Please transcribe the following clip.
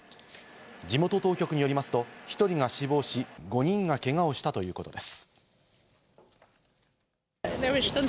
地元当局によりますと１人が死亡し、５人がけがをしたということです。